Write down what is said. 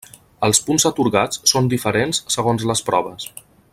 Els punts atorgats són diferents segons les proves.